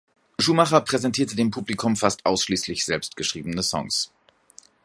Schuhmacher präsentierte dem Publikum fast ausschließlich selbstgeschriebene Songs.